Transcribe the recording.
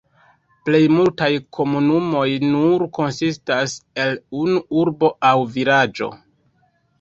Plejmultaj komunumoj nur konsistas el unu urbo aŭ vilaĝo.